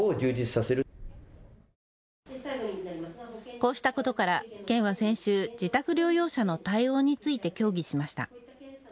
こうしたことから県は先週、自宅療養者の対応について協議しました。